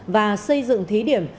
và xây dựng thí điểm